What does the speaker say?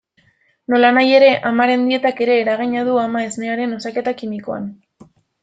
Nolanahi ere, amaren dietak ere eragina du ama-esnearen osaketa kimikoan.